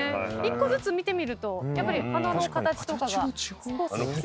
１個ずつ見てみるとやっぱり花の形とかが少しずつ。